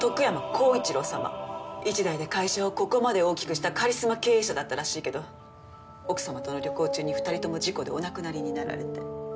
一代で会社をここまで大きくしたカリスマ経営者だったらしいけど奥様との旅行中に２人とも事故でお亡くなりになられて。